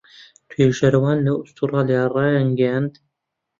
توێژەرەوان لە ئوسترالیا ڕایانگەیاند